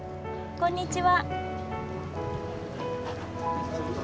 こんにちは。